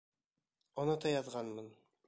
Онота яҙғанмын!